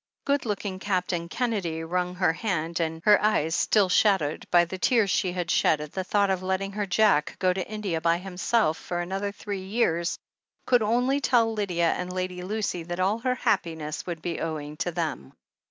Good looking Captain Kennedy wrung her hand, and Nathalie, her eyes still shadowed by the tears she had shed at the thought of letting her Jack go to India THE HEEL OF ACHILLES 327 by himself for another three years, could only tell Lydia and Lady Lucy that all her happiness would be owing to them.